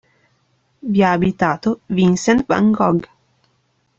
Vi ha abitato Vincent van Gogh.